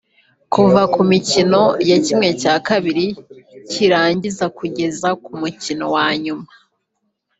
Kuva ku mikino ya ½ cy’irangiza kugeza ku mukino wa nyuma